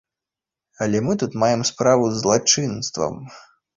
Але мы тут маем справу з злачынствам.